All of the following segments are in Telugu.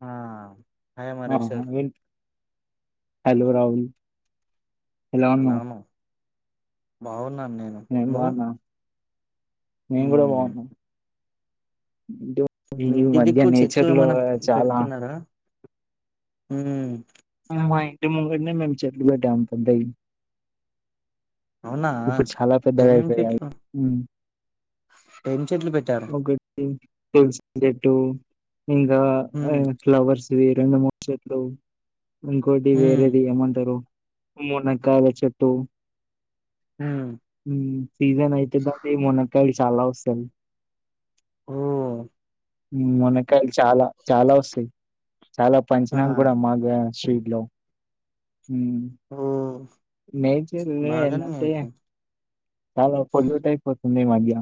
ఆ హాయ్ ఆ మరేశ్వర్ అ హలో రాహల్ హలా అన్నా భావున్నా నేను బావున్నా నేన్గూడా మ్మ్ బావున్న [unintelligible] మీ ఇంటి దిక్కు చెట్లు ఏమైనా చాలా పెడుతున్నారా మ్ మా ఇంటి ముందరనే మేము చెట్లు పెట్టాం పెద్దయ్యి అవునా ఇప్పుడు చాలా పెద్దగా ఏమేం అయిపోయాయి చెట్లు ఏం చెట్లు పెట్టారు ఒకటి తెలు ఇంగా మ్మ్ ఫ్లవర్స్ వి రెండు మూడు చెట్లు ఇంకోటి మ్మ్ వేరేది ఏమంటారు మనకాచ్చ టూ హ మ్ సీజన్ యితుది అ ఈ మొనక చాలావస్తది ఓ... మ్.. మనకి కాయలు చాలా చాలా వస్తాయి చాలా ఆ పంచినాన్ గూడ మాగా స్ట్రీట్ లో మ్... ఓ నేచర్ నే బాగానే అంటే అయితే చాలా పోల్యూట్ అయిపొ ఈ మధ్య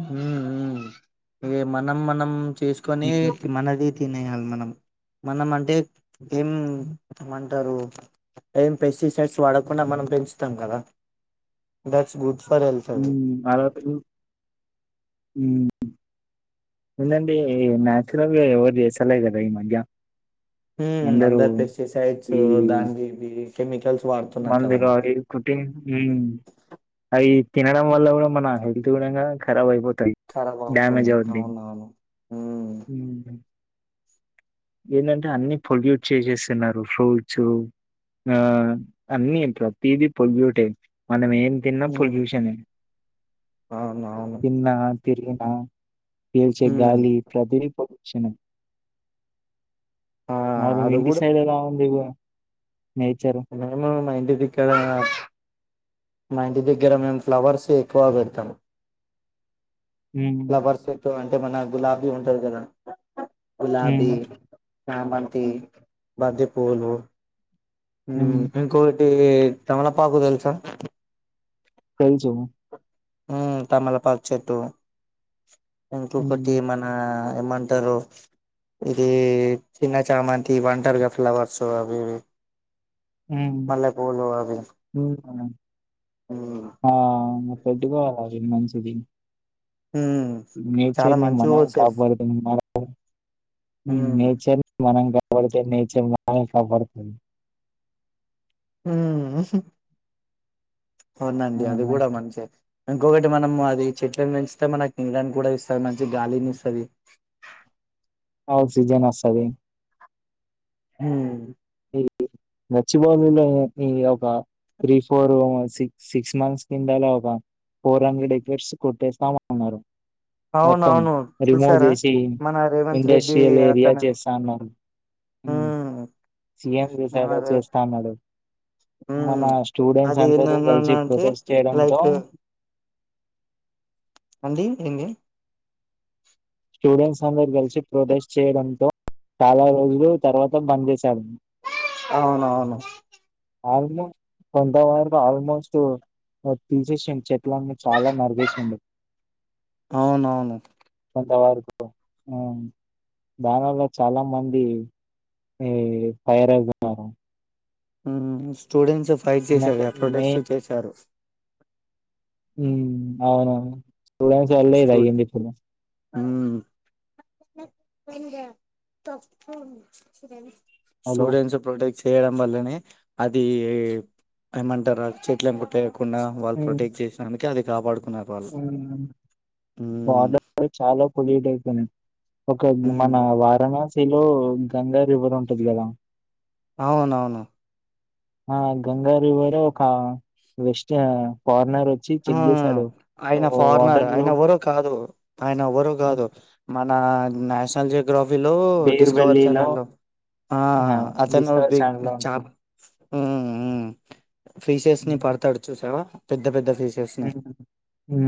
మ్.. మ్.. ఏ మనం మనం చేసుకొని హ్మ్. మనది తినేయాలి మనం మనం అంటే ఏంమంటారు ఏం పెస్టిసైడ్స్ వాడకుండా మనం పెంచుతాం కదా దట్స్ గుడ్ ఫర్ హెల్త్ అది మ్ [unintelligible] ఉమ్ ఏందండి ఈ న్యాచురల్గా ఎవరు చేస్తలే కదా ఈ మధ్య హ అందరూ అందరి పెస్టి సైడ్స్ దాన్ దీనిది మందిగావరి కుటిం అయి తినడం వల్ల కూడా మన హెల్త్ కూడాంగ ఖరాబ్ అయిపోది ఖరాబ్ అవుతుంది అవున అవును మ్... ఏంటంటే అన్ని పొల్యూట్ చేసేస్తున్నారు ఫ్రూట్స్ ఆ అన్నీ ప్రతిదీ పొల్యూటె మనం ఏ ఏం తిన్న పొల్యూషనే అవును అవును తిన్నా, తిరిగినా పీల్చే గాలి ప్రతీది చిన్నం ఆ! మారు ఇంటి సైడ్ ఎలా ఉంది ఇవ అనం మై ఇంటి దగ్గర మా ఇంటి దగ్గర మేము ఫ్లవర్స్ ఎక్కువ పెడతాము హ్మ్. ప్లవర్స్ ఎక్కువ అంటే మన గులాబీ ఉంటది కదా గులాబీ హ్మ్. చామంతి బంతి పూలు మ్... హ్మ్. ఇంకో ఈ తమలపాకులు తెలుసా తెలుసు ఉ తమలపాక్ చెట్టు ఇంకొకటి హ్మ్. మన ఏమమంటారు ఇది చిన్న చామంతి ఇవింటారు కదా ఫ్లవర్స్ అవి ఇ మళ్ళపోలు అది అవు ఆ పెట్టుకోవాలి మంచిది సగన్ చాలా నేచర్ ని మంచిగా మనం వచ్చాయి కాపాడదు మన ఉమ్ నేచర్ ని మనం కా బతే నీచే మా కబడతు ఆ అవునండి అది ఆహా! కూడా మంచిగా ఇంకొకటి మనము అది చెట్లను పెంచితే మన తడానికి కూడా ఇస్తుంది మంచి గాలిని ఇస్తుంది ఆక్సిజెన్ వస్తది హ నచ్చిపోలో ఈ ఒక three four sick six months కిందలా ఒక ఫోర్ హండ్రెడ్ ఎకర్స్ కొట్టేస్తామన్నారు మొత్తం అవునవును రిమూవ్ చూసారా చేసి మన రేవంత్ రెడ్డి ఇండస్ట్రియల్ ఏరియా అతను చేస్తాన్నా ఉమ్ సీఎం స మన రేవ్ చేస్తాన్నాడు మన ఉమ్ స్టూడెంట్స్ అది అందరూ కలిసి ఏందన్నానంటే ప్రొటెస్ట్ చేయడంతో లైక్ అండి ఏంది స్టూడెంట్స్ అందరు కలిసి ప్రొటెస్ట్ చేయడంతో చాలా రోజులు తర్వాత బంద్ చేశాడు అవును అవును ఆల్మోస్ట్ కొంతా వ ఆల్మోస్ట్ తీసేం చె పట్లని చాలా మరగవేసిండు అవునవును ఇంతవరకు హు దాని వల్ల చాలా మంది ఈ ఫైర్ అవుతున్నారు హు స్టూడెంట్స్ఫ ఫైట్ ఎందుకంటే చేసగా మే ప్రొటస్ట్ చేసారు అవునా స్టూడస్ వాల్లైద ఆఇంది ఇప్పుడు హు హలో! స్టూడెంట్స్ ప్రొటెక్ చ్ చేయడం వల్లనే అది ఏమంటారు చెట్లును కొట్టె కుండా వాళ్ళు ప్రొటెక్ట్ చేసినందుకే అది కాపాడు అవు మ్మ్ వాటర్ చాలా పోల్యూటయిపోనయ్ ఒక మ్మ్ మన వారణాసి టిలో గంగా రివర్ ఉంటది కదా అవునవును ఆ గంగా రివర్ ఒక వెస్ట్ పార్ న్నరు వచ్చి ఆ చెక్ చేసాడు ఆయన ఫారినర్ వాటర్ లో ఆయన ఎవ్వరో కాదు ఆయన ఎవ్వరో కాదు మ నా నషనల్ జ జోగ్రఫీలో బేర్ డిస్కవర్ వెల్లీలో ఛానల్లో ఆ అతను డిస్కవర్ బిగ్ ఛానల్ లో ఉంటది చాప్ మ్ హు ఫీషేస్ని పడుతాడు చూసావా పెద్ద పెద్ద ఫె మ్ హు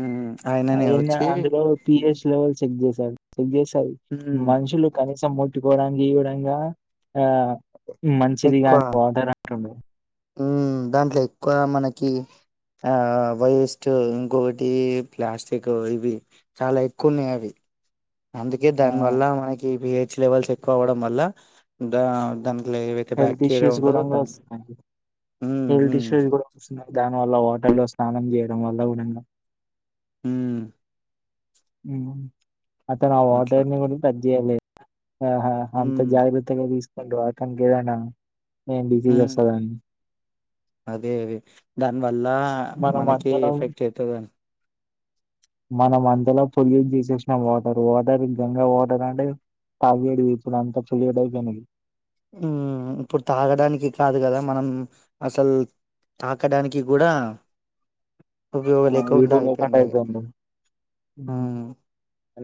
ఉమ్ ఆయననే అద్ వచ్చి అందులో పిహెచ్ లెవెల్ చెక్ చేసారు గేసది ఉమ్ మనుషులు కనీసం మొట్ గోడాంగి చుడాంగా ఆ మంచిది కానీ వాటర్ అంటుండు హు దాంట్లో ఎక్కువ మనకి ఆ వేస్ట్ ఇంకొకటి ప్లాస్టిక్ ఇవి చాలా ఎక్కువున్నాయి అవి అందుకే ఆ దాని వల్ల మనకి ప్ చ్ లేవల్స్ ఎక్వవవ్వడం వాళ్ళ దా దన్ హెల్త్ ఇష్యూస్ కూడాంగా వస్తుాన్నయి ఉమ్ హెల్త్ ఉమ్ ఇష్యూస్ కూడా వస్తున్నాయి దాని వల్ల వాటర్లో స్నానం చేయడం వల్ల కూడంగా హు హు అతను ఆ అట్లా వాటర్ని కూడా టచ్ చేయలేదు. హ హ అంతా ఉమ్ జాగ్రత్తగా తీసి త [unintelligible] ఎదైనా హ్ అదే అదే దానివల్లా ఆ మనం మనకె అంతలో ఎఫెక్ట్ అయితదిని. మనం అంతలో పొల్యూట్ చేసేసిన వాటర్, వాటర్ గంగా వాటర్ అంటే తాగెటిది. ఇప్పుడు అంతా పొల్యుట్ అయిపోయింది. హ్ ఇప్పుడు తాగడానికి కాదు కదా మనం అసలు తాకడానికి కూడా ఉపయోగం లేకుండా వడా అయిపోయింది అది అయితదంటావ్ ఉమ్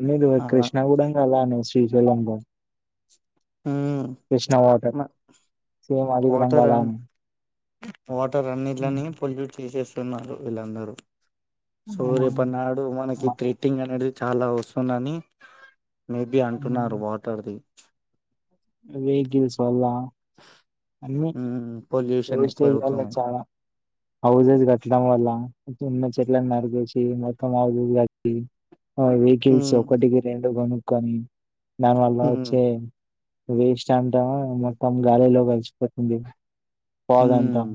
లేదు అలా కృష్ణాగుడం ఇగ అలానే ఒస్ ఈ జలం ల ఉమ్ కృష్ణ మ హటర్ సేమ్ అది వాటర్ అన్ కూడంగాలానే వాటర్ అన్నిీట్లని పొల్యూట్ చేసేస్ టున్నారు వీళ్ళందరూ సో హ్మ్. రేపటి నాడు మ మనకి ట్రిటింగ్ అనేడ్డి చాలా వస్తున్నని మేబి అంటున్నారు వాటర్ది. వేహికిల్స్ వల్లా అన్ని ఉమ్ పొల్యూషన్ ఎక్కువ వేస్టేజ్ వల్ల అవుతున్నాయి చాలా హౌజెస్ కట్టడం వల్లా ఉన్న చెట్లన్ని నరికేసి మొత్తం ఆవి ఇవి కట్టి. ఆ వెహికిల్స్ ఉమ్ ఒకటికి రెండు కొను కానీ దానివల్ల ఉమ్ వచ్చే వేస్ట్ అంటావా మొత్తం గాలిలో కలిసిపోతుంది. పోగాఅంతా ఉమ్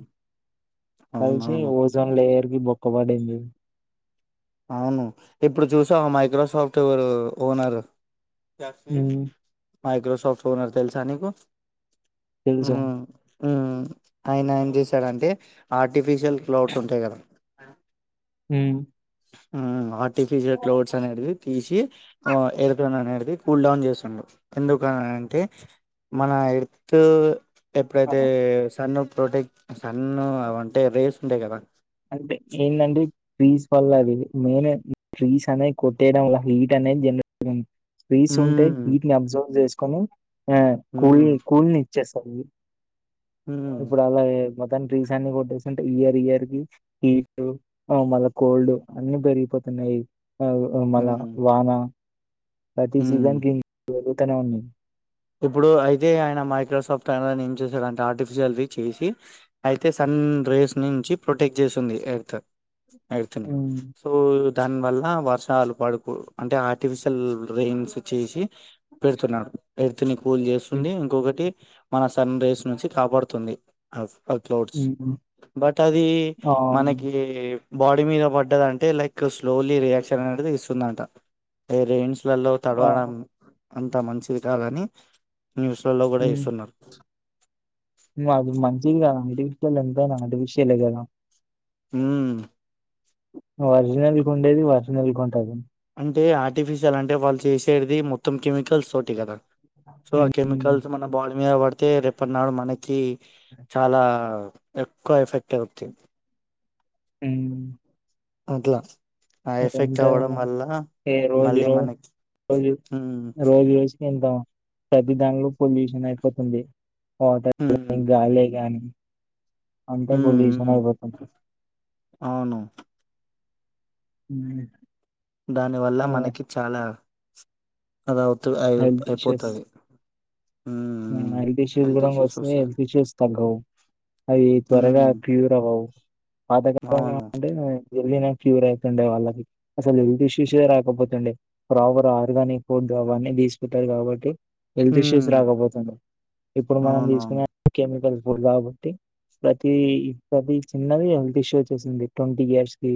మంచి అవునవును ఓజోన్ లేయర్ కి బొక్క పడింది. అవును ఇప్పుడు చూసావా మైక్రోసాఫ్ట్వేర్ ఓనర్ యా ఉమ్, [unintelligible] మైక్రోసాఫ్ట్ ఓనర్ తెలుసా నీకు? ఇంజన్ ఉమ్ ఉమ్ ఆయన ఏం చేశాడంటే ఆర్టిఫిషియల్ క్లౌడ్స్ ఉంటయి కదా ఉమ్ ఉ ఆ టిఫిషిల్ క్లోడ్స్ అనేవి తీసి ఎరుకన్ అనేది ది కూల్ డౌన్ చేసిండు ఎందుకని అంటే మన ఎర్త్ ఎప్పుడైతే సన్న ప్రొటెక్ట్ కన్ను ఉమ్. అవంటే రేస్ ఉండేకదా అంటే ఏంటంటే పూజ వాళ్ళ అది మెయిన్ ట్రీస్ అనేది కొట్టేయడం వల్ల హీట్ అనేది జనరేట్ అయ్యింది ట్రీస్ ఉంటే హ్మ్. వీట్ని అబ్జర్వ్ చేసు కానీ ఆ కూల్ని హ్మ్. కూల్ని చేస్ అయి హ్మ్. ఇప్పుడు అలాగే మొత్తాం ట్రీస్ అన్ని కొట్టేసింటే ఇయర్ ఇయర్ కి హీట్ మళ్ళా గోల్డ్ అన్ని పెరిగిపోతున్నాయి ఆ మళ్ళ హ్మ్. వాన అతి హ్మ్. సీజన్ త్తన ఉంది ఇప్పుడు అయితే ఆయన మైక్రోసాఫ్ట్ అయన ఏం చేసాడుంటే ఆర్టిఫిషియల్ది చేసి అయితే సన్ రేస్ నుంచి ప్రొటెక్ట్ చేసింది ఎర్త్ ఇతన హ్మ్. సో దాని వల్ల వర్షాలు పడుకు అంటే ఆర్టిఫిషియల్ రెయిన్స్ చేసి పెడుతున్నాడు ఎడుతుని పూలు చేస్తుంది ఇంకొకటి మన సన్ రేస్ నుంచి కాపాడుతుంది అ ఆ క్లౌడ్స్ హ్మ్. హ్మ్. బట్ అది అవును. మనకి బాడీ మీద పడ్డదంటే లైక్ స్లోలీ రియాక్షన్ అనేది ఇస్తుందంట ఈ రెన్స్ నీళ్ళలో ఆ! తడవడం అంతా మంచిది దాలని న్యూస్లలో కూడా హ్మ్. ఏస్తున్నారు ఏం కాదు ఆంటీ [unintelligible] ఆర్టిఫీషియలే కదా హ్మ్ ఒరిజినల్ కుండేది ఒరిజినల్ కుంటది అంటే ఆర్టిఫిషియల్ అంటే వాళ్ళు చేసేది మొత్తం కెమికల్స్ తోటి కదా సో ఆ కెమికల్ హ్మ్ మన బాడీ మీద పడితే రేపన్నాడు మనకి చాలా ఎక్కువ ఎఫెక్ట్ అవుద్ది ఊ అట్లా ఆ ఎఫెక్ట్ అవ్వడం ఉంటాదేమో వల్ల ఏ రోజు ఈ మళ్ళీ రోజు మనకి రోజు హ్మ్ రోజు జూసి ఎంత ప్రతి దానిలో పొల్యూషన్ అయిపోతుంది ఫాదర్ హ్మ్ ఏం గాలే గాని [inaudible] అంతే హ్మ్ పొల్యూషన్ హ్మ్ ఐపోతుంది అవును ఊ దాని వల్ల మనకి చాలా అది అవుతు అయ్ హెల్త్ ఇష్యూస్ అయిపోతది హెల్త్ ఇష్యూస్ కూడా వస్తున్నాయి హెల్త్ ఇష్యూస్ తగ్గవు అవి త్వరగా హ్మ్ క్యూర్ అవ్వవు పాతకాలం అవును అంటే వెళ్లిన క్యూర్ అయితుండే వాళ్ళకి అసలు హెల్త్ ఇష్యూస్ ఏ రాకపోతుండే ప్రాపర్ ఆర్గానిక్ ఫుడ్ అవన్నీ తీసుకుంటారు కాబట్టి హెల్త్ ఇష్యూస్ హ్మ్ రాకపో తుండే ఇప్పుడు మనం అవునవును తీసుకునే కెమికల్స్ ఇడు కాబట్టి ప్రతి ప్రతి చిన్నది హెల్త్ ఇష్యూ వచ్చేసింది ట్వంటీ ఇయర్స్ కి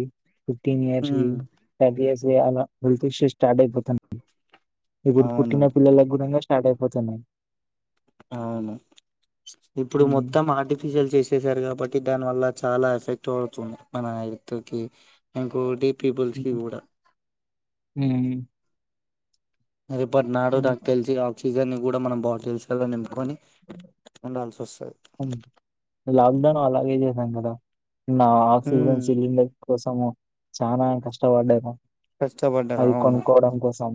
ఫిఫ్టీన్ ఇయర్సు హ్మ్ థర్టీ ఇయర్స్ చేయలే హెల్త్ ఇష్యూస్ స్టార్ట్ అయ్ పోతున్నయ్ ఇప్పుడు అవును పుట్టిన పిల్లలకు కూడాంగ స్టార్ట్ అయిపోతున్నాయి అవును ఇప్పుడు హ్మ్. మొత్తం ఆర్టిఫిషియల్ చేసేసారు కాబట్టి దానివల్ల చాలా ఎఫెక్ట్ పడుతుంది మన హల్త్ కి ఇంకోటి పీపుల్స్ కి కూడా ఊ రేపుట్నాడు నాకు తెలిసి ఆక్సిజన్ ని కూడా మన బాటిల్స్ లల నింపుకొని ఉండాల్సి వస్తది హ్మ్. లాక్‌డౌన్ అలాగే చేసాం కదా నా ఆక్సిజన్ హ్మ్ సిలిండర్ కోసము చనా కష్టపడ్డను కష్టపడ్డారు అవి అవును కొనుక్కోవడం కోసం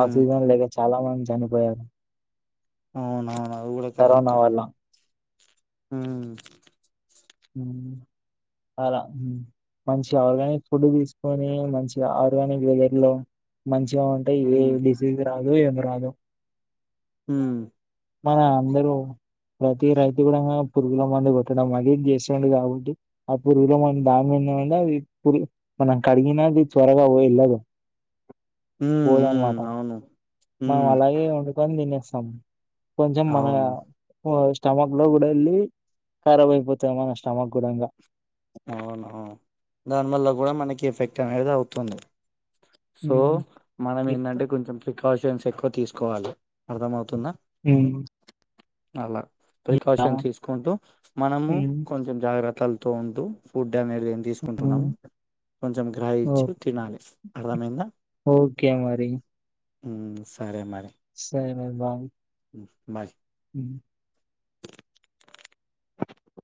ఆ సీజన్ల అదే చాలా మంది చనిపోయారు అవునవును అది గుడా కరోనా కరెక్టే వల్ల. హ్ అలా మంచి ఆర్గానిక్ ఫుడ్ తీసుకొని మంచిగా ఆర్గానిక్ వెదర్ లో మంచి చిగా ఉంటాయి. ఏ హ్మ్ డిసీజ్ రాదు ఏం రాదు రాదు హ్ మన అందరూ ప్రతి రైతు కూడాం పురుగుల మందు కొట్టడం అది ఇది జెస్తే చ్చింది. కాబట్టి ఆ పురుగులో మనం దానీ మీద పురు మనం కడిగిన ఆది త్వరగా వెళ్ళదు. హ్ హూ అవును. మం హ్మ్ అలాగే వండుకొని తినేస్ అమ్ కొంచెం మన అవును పాజ్ స్టమక్ లో గుడా ఎల్లీ ఖరాబ్ అయిపోతాది. మన స్టమక్ కూడాంగా అవున దానివల్ల గుడా మనకి ఎఫెక్ట్ అనేది అవుతుంది. సో మనం ఏంధంటే కొంచెం ఫిట్ ప్రికాషన్స్ ఎక్కువ తీసుకోవాలి. అర్థం అవుతుందా. హ్ అలా ప్రికాషన్స్ తీసుకుంటూ మనము కొంచెం జాగ్ర కల్ తో ఉంటూ ఫుడ్ టం అనేది ఏం తీసుకుంటున్నామో. కొంచెం గ్రాహిచ్చి తినాలి అర్థమైందా. ఓకే మరి హ్ సరే మరి సరే మరి బాయ్ ఉ బాయ్ హ్